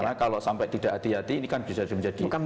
karena kalau sampai tidak hati hati ini kan bisa menjadi musibah